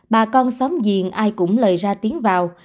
bà con xóm diền ai cũng lời ra tiếng vào